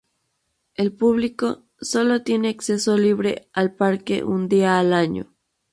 El público solo tiene acceso libre al parque un día al año.